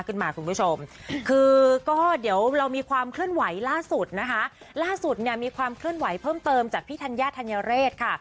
คุณผู้ชมคือก็เดี๋ยวเรามีความเคลื่อนไหวล่าสุดนะคะล่าสุดเนี่ยมีความเคลื่อนไหวเพิ่มเติมจากพี่ธัญญาธัญเรศค่ะ